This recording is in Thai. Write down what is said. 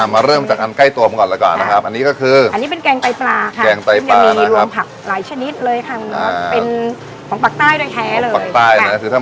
มาเริ่มจากอันใกล้ตัวมาก่อนละก่อนนะครับอันนี้ก็คือ